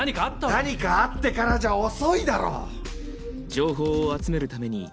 何かあってからじゃ遅いだろ！